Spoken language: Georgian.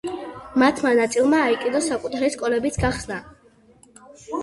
მათმა ნაწილმა აიკიდოს საკუთარი სკოლებიც გახსნა.